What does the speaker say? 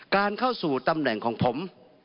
การเข้าสู่ตำแหน่งของผม